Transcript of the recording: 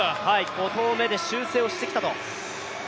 ５投目で修正をしてきたと。